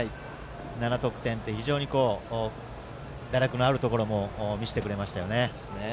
７得点と非常に打力のあるところも見せてくれましたね。